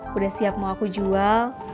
sudah siap mau aku jual